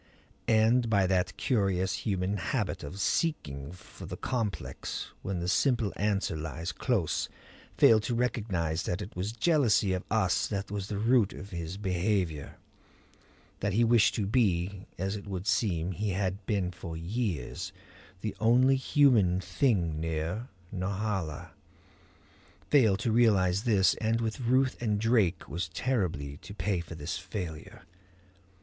And by that curious human habit of seeking for the complex when the simple answer lies close, failed to recognize that it was jealousy of us that was the root of his behavior; that he wished to be, as it would seem he had been for years, the only human thing near Norhala; failed to realize this, and with Ruth and Drake was terribly to pay for this failure.